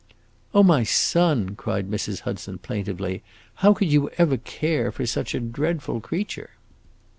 "Oh, my son," cried Mrs. Hudson, plaintively, "how could you ever care for such a dreadful creature?"